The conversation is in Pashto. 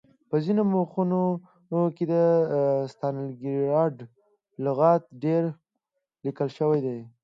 په ځینو مخونو کې د ستالنګراډ لغت ډېر لیکل شوی و